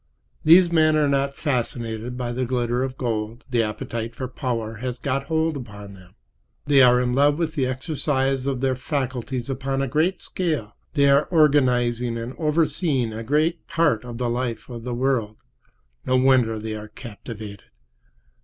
These men are not fascinated by the glitter of gold: the appetite for power has got hold upon them. They are in love with the exercise of their faculties upon a great scale; they are organizing and overseeing a great part of the life of the world. No wonder they are captivated.